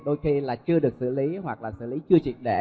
đôi khi là chưa được xử lý hoặc là xử lý chưa triệt để